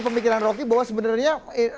pemikiran rocky bahwa sebenarnya